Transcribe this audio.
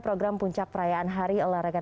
program puncak perayaan hari olahraga